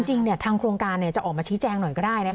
จริงเนี่ยทางโครงการจะออกมาชี้แจ้งหน่อยก็ได้นะคะ